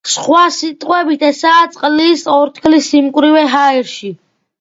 სხვა სიტყვებით, ესაა წყლის ორთქლის სიმკვრივე ჰაერში.